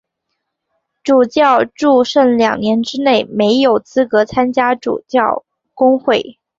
主教祝圣两年之内没有资格参加主教公会。